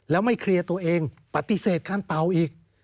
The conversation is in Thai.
แล้วไม่เคลียร์ตัวเองปฏิเสธการเป่าอีก